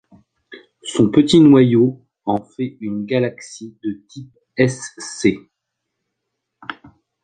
Son petit noyau en fait une galaxie de type Sc.